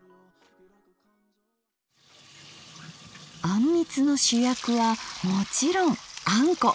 あんみつの主役はもちろんあんこ！